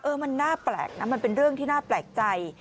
มันน่าแปลกนะมันเป็นเรื่องที่น่าแปลกใจ